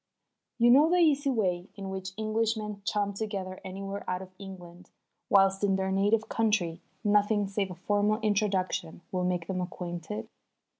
You know the easy way in which Englishmen chum together anywhere out of England, whilst in their native country nothing save a formal introduction will make them acquainted?